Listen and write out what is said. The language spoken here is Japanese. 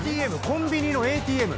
コンビニのＡＴＭ？